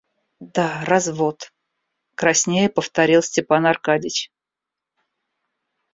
Да, развод, — краснея повторил Степан Аркадьич.